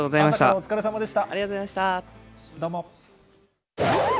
お疲れさまでした。